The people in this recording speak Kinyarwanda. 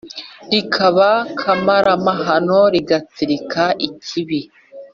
Rikaba kamara mahano rigatsirika ikibi